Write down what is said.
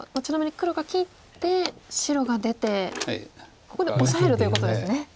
ちなみに黒が切って白が出てここでオサえるということですね。